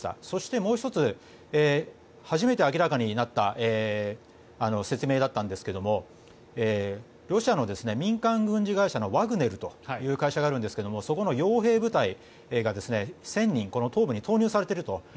そして、もう１つ初めて明らかになった説明だったんですがロシアの民間軍事会社のワグネルという会社があるんですけどもそこの傭兵部隊が１０００人東部に投入されていると。